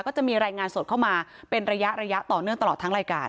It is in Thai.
ก็จะมีรายงานสดเข้ามาเป็นระยะระยะต่อเนื่องตลอดทั้งรายการ